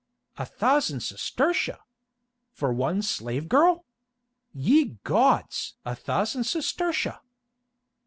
"A thousand sestertia! For one slave girl! Ye gods! a thousand sestertia!"